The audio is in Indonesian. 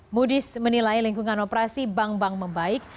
moody's menilai lingkungan operasi bank bank membaik